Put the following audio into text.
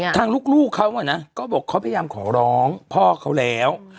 ซึ่งทางลูกเค้าอะนะก็บอกเค้าพยายามขอร้องพ่อเค้าแล้ว